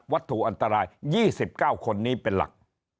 ถูกอันตราย๒๙คนนี้เป็นหลัก